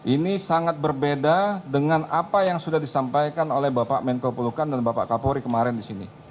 ini sangat berbeda dengan apa yang sudah disampaikan oleh bapak menko pelukan dan bapak kapolri kemarin di sini